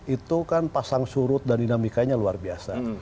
itu kan pasang surut dan dinamikanya luar biasa